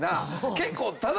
結構。